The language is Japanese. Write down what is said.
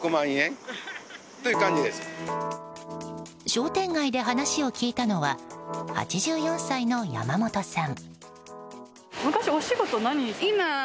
商店街で話を聞いたのは８４歳の山本さん。